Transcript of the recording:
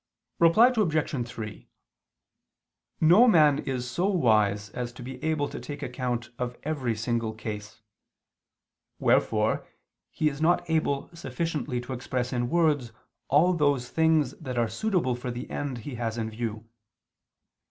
Reply Obj. 3: No man is so wise as to be able to take account of every single case; wherefore he is not able sufficiently to express in words all those things that are suitable for the end he has in view.